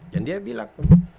dan dia bilang